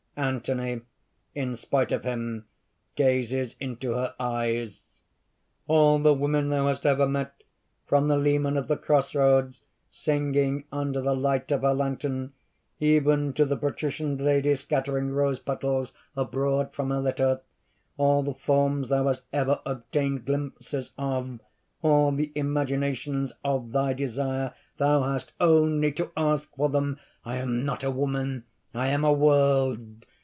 (Anthony, in spite of him, gazes into her eyes.) "All the women thou hast ever met from the leman of the cross roads, singing under the light of her lantern, even to the patrician lady scattering rose petals abroad from her litter, all the forms thou hast ever obtained glimpses of all the imaginations of thy desire thou hast only to ask for them! I am not a woman: I am a world!